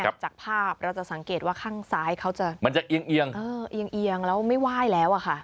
นี่ไงจากภาพเราจะสังเกตว่าข้างซ้ายเขาจะมันจะเอียงเออเอียงแล้วไม่ว่ายแล้วอะค่ะ